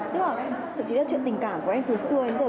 tức là thậm chí là chuyện tình cảm của em từ xưa đến giờ